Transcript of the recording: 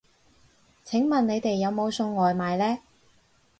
請問你哋有冇送外賣呢